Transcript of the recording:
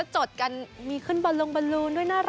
จดกันมีขึ้นบอลลงบอลลูนด้วยน่ารัก